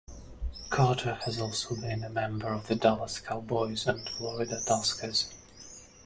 Carter has also been a member of the Dallas Cowboys and Florida Tuskers.